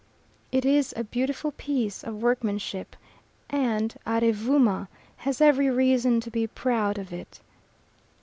It is a beautiful piece of workmanship, and Arevooma has every reason to be proud of it.